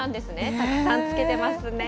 たくさんつけてますね。